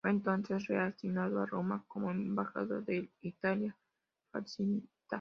Fue entonces reasignado a Roma como embajador de la Italia Fascista.